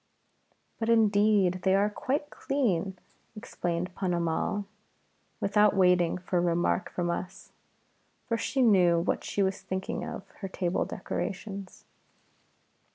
"But, indeed, they are quite clean," explained Ponnamal, without waiting for remark from us, for she knew what we were thinking of her table decorations.